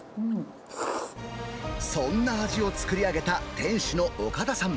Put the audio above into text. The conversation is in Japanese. そんな味を作り上げた店主の岡田さん。